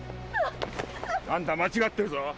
あんた間違ってるぞ！